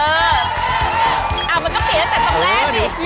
มันก็เปลี่ยนตั้งแต่ตรงแรกดิ